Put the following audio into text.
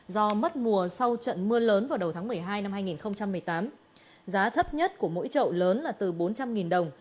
do mất mùa sau trận mưa lớn vào đầu tháng một mươi hai năm hai nghìn một mươi tám giá thấp nhất của mỗi trậu lớn là từ bốn trăm linh đồng